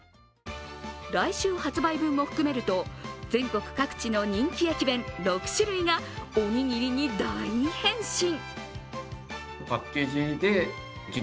来週発売分も含めると全国各地の人気駅弁６種類がおにぎりに大変身。